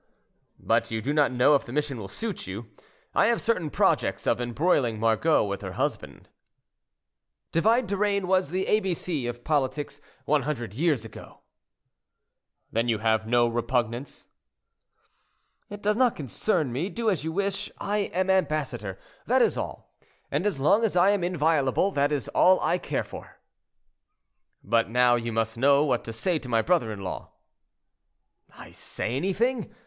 "But you do not know if the mission will suit you. I have certain projects of embroiling Margot with her husband." "Divide to reign was the A B C of politics one hundred years ago." "Then you have no repugnance?" "It does not concern me; do as you wish. I am ambassador, that is all; and as long as I am inviolable, that is all I care for." "But now you must know what to say to my brother in law." "I say anything!